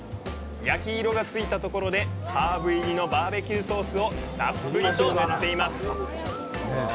焼き色がついたところでハーブ入りのバーベキューソースをたっぷりと塗っています。